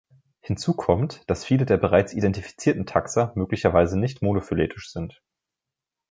Hinzu kommt, dass viele der bereits identifizierten Taxa möglicherweise nicht monophyletisch sind.